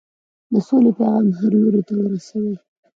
د سولې پیغام هر لوري ته ورسوئ.